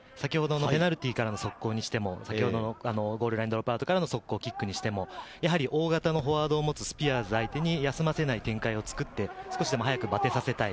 ペナルティーからの速攻にしても、ゴールラインドロップアウトからの速攻にしても、大型のフォワードを持つスピアーズ相手に休ませない展開を使って、少しでも休ませない。